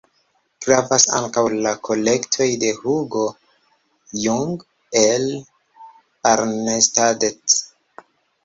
Gravas ankaŭ la kolektoj de Hugo Jung el Arnstadt.